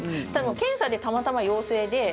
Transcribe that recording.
検査でたまたま陽性で。